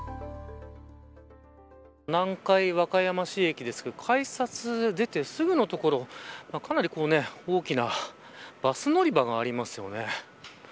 南海和歌山市駅ですが改札を出てすぐのところかなり大きなバス乗り場がありますよね。